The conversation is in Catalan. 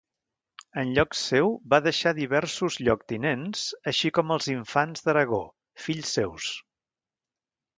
En lloc seu va deixar diversos lloctinents, així com els infants d'Aragó, fills seus.